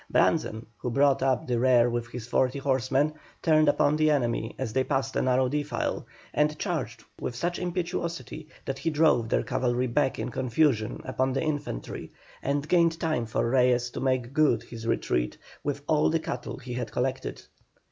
Brandzen, who brought up the rear with his forty horsemen, turned upon the enemy as they passed a narrow defile, and charged with such impetuosity that he drove their cavalry back in confusion upon the infantry, and gained time for Reyes to make good his retreat with all the cattle he had collected.